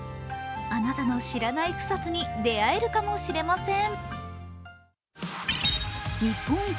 あなたの知らない草津に出会えるかもしれません。